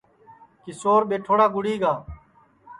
کیشور ٻیٹھوڑا گُڑی گا